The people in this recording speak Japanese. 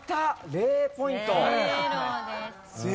０ポイント。